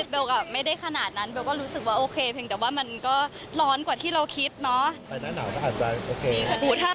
ไม่ได้ขนาดนั้นเบลก็รู้สึกว่าโอเคเพียงแต่ว่ามันก็ร้อนกว่าที่เราคิดเนาะ